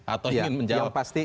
atau ingin menjawab tanggahan tadi